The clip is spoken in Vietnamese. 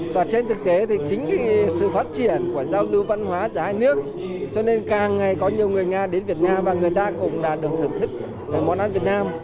và trên thực tế thì chính sự phát triển của giao lưu văn hóa giữa hai nước cho nên càng ngày có nhiều người nga đến việt nam và người ta cũng đã được thưởng thức món ăn việt nam